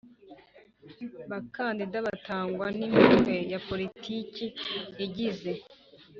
Bakandida batangwa n imitwe ya politiki igize